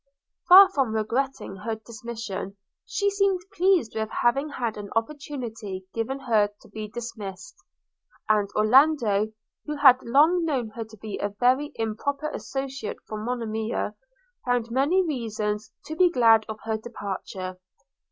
Far from regretting her dismission, she seemed pleased with having had an opportunity given her to be dismissed; and Orlando, who had long known her to be a very improper associate for Monimia, found many reasons to be glad of her departure.